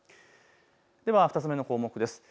２つ目の項目です。